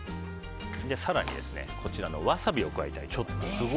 更にワサビを加えたいと思います。